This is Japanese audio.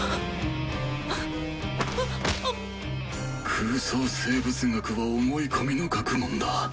空想生物学は思い込みの学問だ。